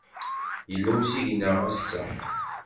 Yella usigna ass-a.